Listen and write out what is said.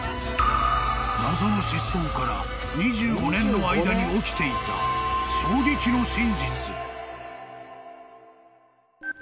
［謎の失踪から２５年の間に起きていた衝撃の真実］